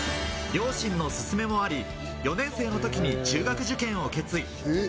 両親の勧めもあり、４年生の時に中学受験を決意。